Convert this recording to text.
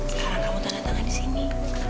sekarang kamu tanda tangan di sini